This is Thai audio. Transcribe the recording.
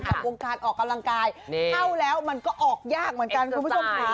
วงการออกกำลังกายเข้าแล้วมันก็ออกยากเหมือนกันคุณผู้ชมค่ะ